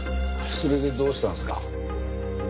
それでどうしたんですか？